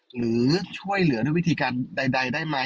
หรือช่วยเหลือด้วยวิธีการใดได้ไหม